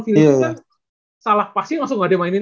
vincent kan salah passing langsung gak dimainin